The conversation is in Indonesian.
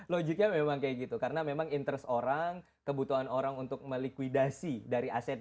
logiknya memang kayak gitu karena memang interest orang kebutuhan orang untuk melikuidasi dari aset